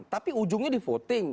tapi ujungnya di voting